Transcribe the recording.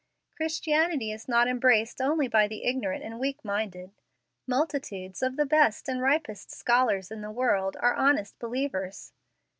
Christianity is not embraced only by the ignorant and weak minded: multitudes of the best and ripest scholars in the world are honest believers."